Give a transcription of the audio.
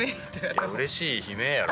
いやうれしい悲鳴やろ。